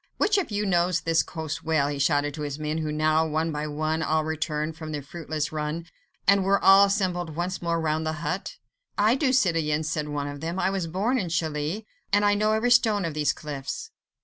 "Which of you knows this coast well?" he shouted to his men who now one by one had all returned from their fruitless run, and were all assembled once more round the hut. "I do, citoyen," said one of them, "I was born in Calais, and know every stone of these cliffs."